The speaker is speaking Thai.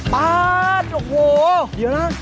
ปาดโอ้โหเดี๋ยวนะ